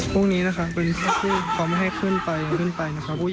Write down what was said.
พรุ่งนี้นะคะขอไม่ให้ขึ้นไปขึ้นไปนะครับ